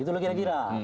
itu lah kira kira